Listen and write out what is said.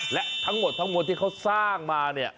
และทั้งหมดทั้งมวลที่เขาสร้างมาเนี่ย